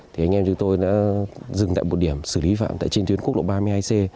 thì anh em chúng tôi đã dừng tại một điểm xử lý phạm tại trên tuyến quốc lộ ba mươi hai c